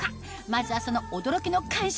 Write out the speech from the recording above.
まずはその驚きの感触